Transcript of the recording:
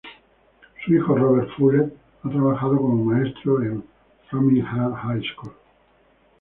Su hijo Robert Fuller ha trabajado como maestro en Framingham High School.